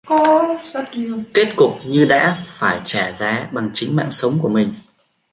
Kết cục như đã phải trả giá bằng chính mạng sống của mình